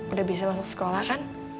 udah bisa masuk sekolah kan